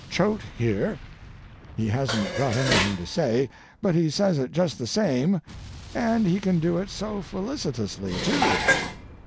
Choate here—he hasn't got anything to say, but he says it just the same, and he can do it so felicitously, too.